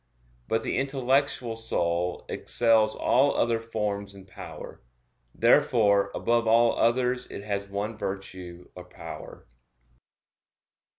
But the intellectual soul excels all other forms in power. Therefore above all others it has one virtue or power.